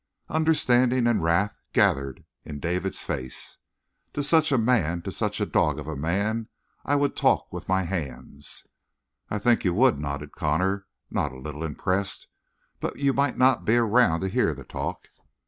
Understanding and wrath gathered in David's face. "To such a man to such a dog of a man I would talk with my hands!" "I think you would," nodded Connor, not a little impressed. "But you might not be around to hear the talk."